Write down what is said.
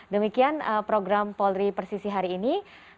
demikian program polri persisi hari ini